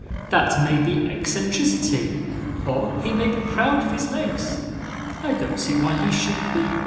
That may be eccentricity, or he may be proud of his legs. I don't see why he shouldn't be.